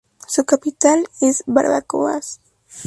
Su capital es Barbacoas.